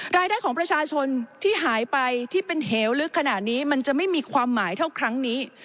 รายได้ของประชาชนที่หายไปที่เป็นเหวลึกขนาดนี้มันจะไม่มีความหมายเท่าครั้งนี้